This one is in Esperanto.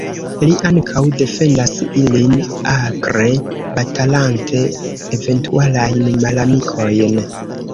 Li ankaŭ defendas ilin, akre batalante eventualajn malamikojn.